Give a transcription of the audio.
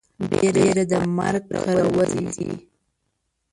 بيره د مرگ کرول دي.